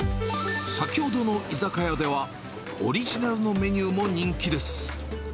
先ほどの居酒屋では、オリジナルのメニューも人気です。